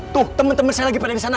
tuh temen temen saya lagi pada disana